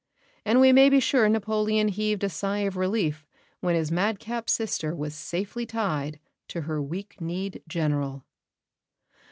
And we may be sure Napoleon heaved a sigh of relief when his madcap sister was safely tied to her weak kneed General.